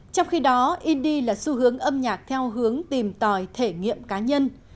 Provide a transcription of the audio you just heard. trong khi đó indi là xu hướng âm nhạc theo hướng tìm tòi thể nghiệm cá nhân